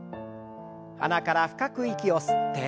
鼻から深く息を吸って。